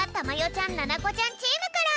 ちゃんななこちゃんチームから！